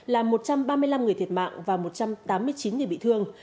làm một trăm ba mươi năm người thiệt mạng và một trăm tám mươi chín người bị thương